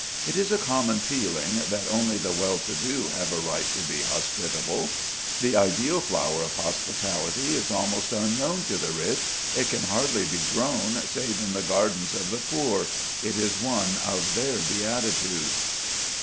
It is a common feeling that only the WELL TO DO have a right to be hospitable: the ideal flower of hospitality is almost unknown to the rich; it can hardly be grown save in the gardens of the poor; it is one of their beatitudes.